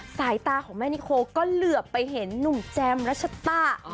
สายตาของแม่นิโคก็เหลือไปเห็นหนุ่มแจมรัชตะ